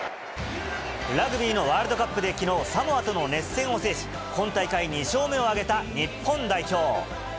ラグビーのワールドカップで、きのう、サモアとの熱戦を制し、今大会２勝目を挙げた日本代表。